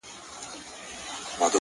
دا ستاد كلـي كـاڼـى زمـا دوا ســـوه”